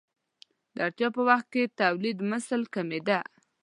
د اړتیا په وخت کې تولیدمثل کمېده.